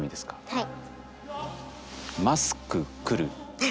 はい。